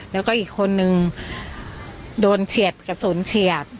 แล้วก็อีกคนนึงโดนเฉียดกระสุนเฉียด